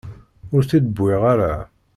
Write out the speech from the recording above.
Ur t-id-wwiɣ ara.